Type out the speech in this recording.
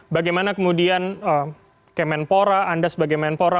bagaimana kemudian kemenpora anda sebagai menpora